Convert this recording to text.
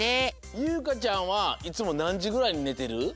ゆうかちゃんはいつもなんじぐらいにねてる？